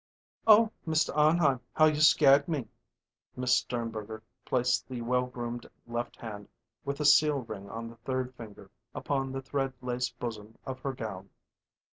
"Oh, Mr. Arnheim, how you scared me!" Miss Sternberger placed the well groomed left hand, with a seal ring on the third finger, upon the thread lace bosom of her gown.